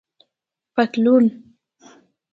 👖پطلون